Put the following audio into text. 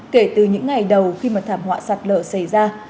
kể từ những ngày đầu khi mà thảm họa sạt lở xảy ra